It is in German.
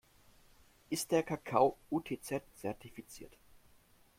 Ist der Kakao UTZ-zertifiziert?